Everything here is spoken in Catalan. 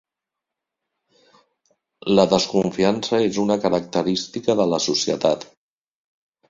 La desconfiança és una característica de la societat.